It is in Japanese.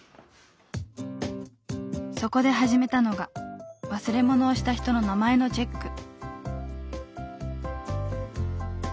そこで始めたのが忘れ物をした人の名前のチェック。